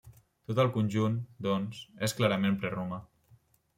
Tot el conjunt, doncs, és clarament preromà.